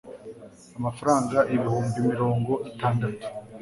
amafranga ibihumbi mirongo itandatu